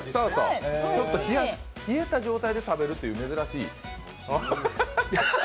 冷えた状態で食べるっていう珍しい。